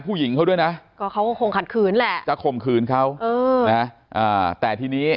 ผู้หญิงเค้าด้วยละก็คงขัดขืนแหละจะข่มขืนเค้า